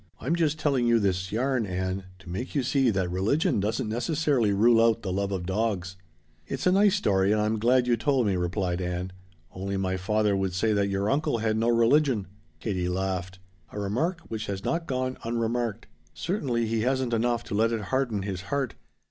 I'm just telling you this yarn, Ann, to make you see that religion doesn't necessarily rule out the love of dogs." "It's a nice story, and I'm glad you told me," replied Ann. "Only my father would say that your uncle had no religion." Katie laughed. "A remark which has not gone unremarked. Certainly he hasn't enough to let it harden his heart.